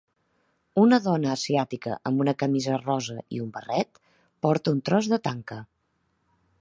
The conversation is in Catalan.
Una dona asiàtica amb una camisa rosa i un barret porta un tros de tanca.